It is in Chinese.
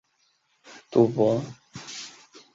从前就有赌博的习惯